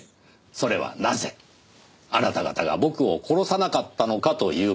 それはなぜあなた方が僕を殺さなかったのかという事です。